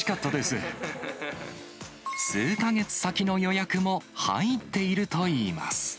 数か月先の予約も入っているといいます。